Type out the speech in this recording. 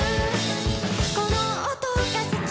「この音が好き」